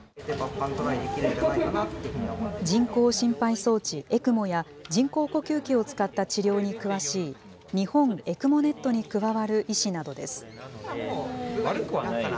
人工心肺装置・ＥＣＭＯや、人工呼吸器を使った治療に詳しい、日本ＥＣＭＯｎｅｔに加わる医師などです。